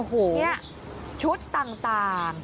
อันนี้ชุดต่าง